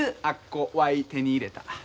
あっこわい手に入れた。